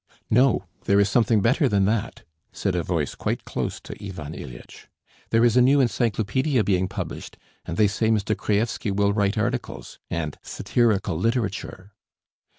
"No, there is something better than that," said a voice quite close to Ivan Ilyitch. "There is a new encyclopædia being published, and they say Mr. Kraevsky will write articles... and satirical literature."